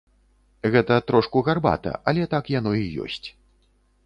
Гэта трошку гарбата, але так яно і ёсць.